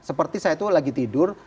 seperti saya itu lagi tidur